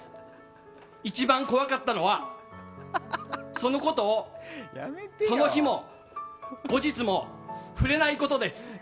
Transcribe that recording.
一番怖かったのはそのことをその日も、後日も触れないことです。